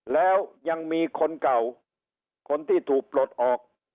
แล้วยังมีคนเก่าคนที่ถูกปลดออก